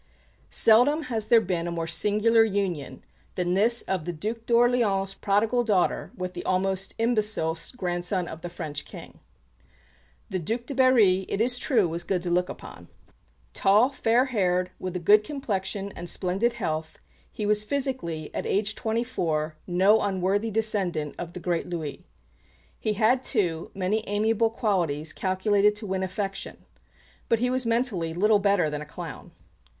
Seldom has there been a more singular union than this of the Duc d'Orléans' prodigal daughter with the almost imbecile grandson of the French King. The Duc de Berry, it is true, was good to look upon. Tall, fair haired, with a good complexion and splendid health, he was physically, at twenty four, no unworthy descendant of the great Louis. He had, too, many amiable qualities calculated to win affection; but he was mentally little better than a clown.